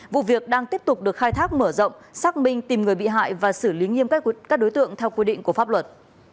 vụ việc đang tiếp tục được khai thác mở rộng xác minh tìm người bị hại và xử lý nghiêm các đối tượng theo quy định của pháp luật